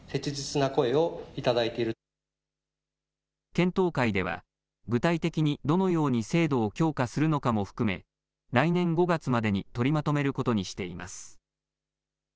検討会では、具体的にどのように制度を強化するのかも含め、来年５月までに取りまとめることにしています。